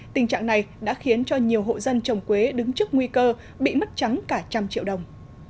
tình trạng này đã khiến cho nhiều hộ dân trồng quế đứng trước nguy cơ bị mất trắng cả trăm triệu đồng